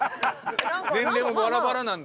年齢もバラバラなんだけど。